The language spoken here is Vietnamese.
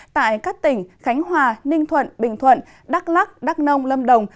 tại các tỉnh khánh hòa ninh thuận bình thuận đắk lắc đắk nông lâm đồng